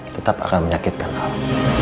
tetap akan menyakitkan alam